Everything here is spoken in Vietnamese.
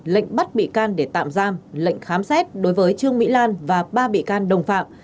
lệnh bắt bị can để tạm giam lệnh khám xét đối với trương mỹ lan và ba bị can đồng phạm